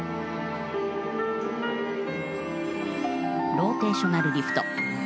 ローテーショナルリフト。